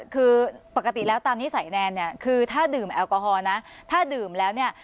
คือปกติแล้วตามนิสัยแนนเนี่ยคือถ้าดื่มแอลกอฮอลนะถ้าดื่มแล้วเนี่ย